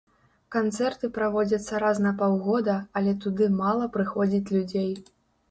Канцэрты праводзяцца раз на паўгода, але туды мала прыходзіць людзей.